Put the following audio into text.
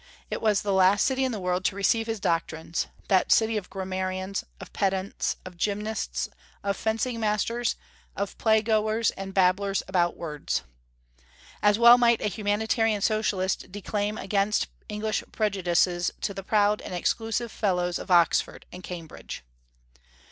It was the last city in the world to receive his doctrines, that city of grammarians, of pedants, of gymnasts, of fencing masters, of play goers, and babblers about words. "As well might a humanitarian socialist declaim against English prejudices to the proud and exclusive fellows of Oxford and Cambridge."